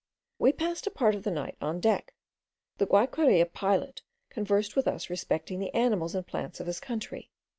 We passed a part of the night on deck. The Guayqueria pilot conversed with us respecting the animals and plants of his country.